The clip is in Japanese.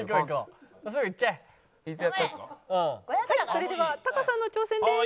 それではタカさんの挑戦です。